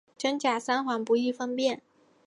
真假桑黄不易分辨。